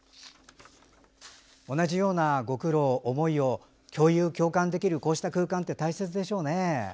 同じようなご苦労、思いを共有・共感できるこうした空間って大切でしょうね。